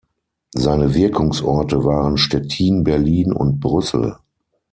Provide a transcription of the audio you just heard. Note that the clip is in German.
Seine Wirkungsorte waren Stettin, Berlin und Brüssel.